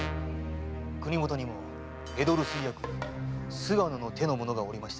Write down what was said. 国許にも江戸留守居役・菅野の手の者がおりました。